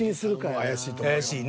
怪しいね。